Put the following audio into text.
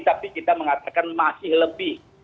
tapi kita mengatakan masih lebih